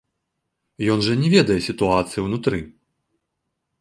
Ён жа не ведае сітуацыі ўнутры.